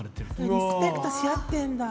リスペクトしあってんだ。